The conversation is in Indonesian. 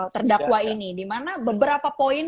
terdakwa ini dimana beberapa poin